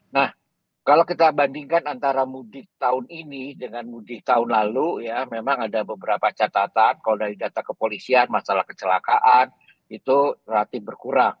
nah kalau kita bandingkan antara mudik tahun ini dengan mudik tahun lalu ya memang ada beberapa catatan kalau dari data kepolisian masalah kecelakaan itu relatif berkurang